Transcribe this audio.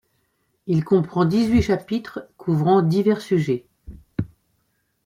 Il comprend dix-huit chapitres couvrant divers sujets.